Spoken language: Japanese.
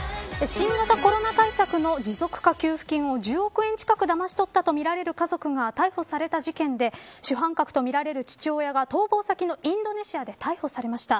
新型コロナ対策の持続化給付金を１０億円近くだまし取ったとみられる家族が逮捕された事件で主犯格とみられる父親が逃亡先のインドネシアで逮捕されました。